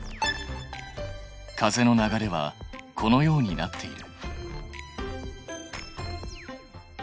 風の流れはこのようになっている。